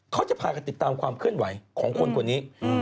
เขาจะพากันติดตามความเคลื่อนไหวของคนคนนี้